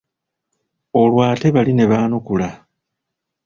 Olwo ate bali ne baanukula.